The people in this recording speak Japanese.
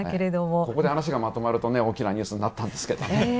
ここで話がまとまると大きなニュースになったんですけどね。